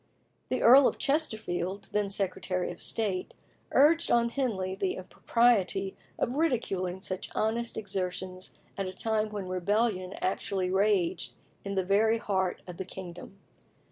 The Earl of Chesterfield, then Secretary of State, urged on Henley the impropriety of ridiculing such honest exertions at a time when rebellion actually raged in the very heart of the kingdom.